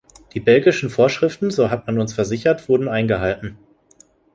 Die belgischen Vorschriften, so hat man uns versichert, wurden eingehalten.